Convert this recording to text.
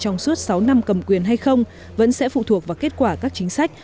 trong suốt sáu năm cầm quyền hay không vẫn sẽ phụ thuộc vào kết quả các chính sách